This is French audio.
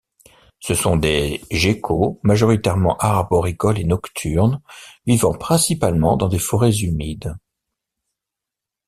Ce sont des geckos majoritairement arboricoles et nocturnes, vivant principalement dans des forêts humides.